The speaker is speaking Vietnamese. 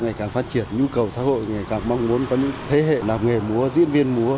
ngày càng phát triển nhu cầu xã hội ngày càng mong muốn có những thế hệ làm nghề múa diễn viên múa